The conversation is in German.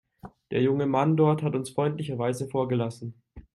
Der junge Mann dort hat uns freundlicherweise vorgelassen.